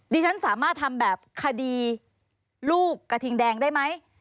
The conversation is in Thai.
ดิฉันสามารถทำแบบคดีลูกกระทิงแดงได้ไหม